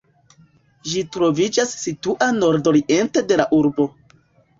Ĝi troviĝas situa nordoriente de la urbo.